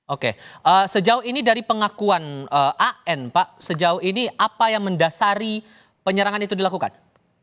oke sejauh ini dari pengakuan an pak sejauh ini apa yang mendasari penyerangan itu dilakukan